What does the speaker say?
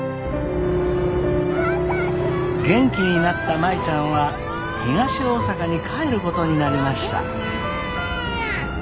元気になった舞ちゃんは東大阪に帰ることになりました。